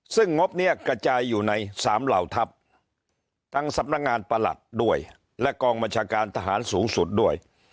ซึ่งงบนี้กระจายอยู่ในสามเหล่าทัพทั้งสำนักงานประหลัดด้วยและกองบัญชาการทหารสูงสุดด้วย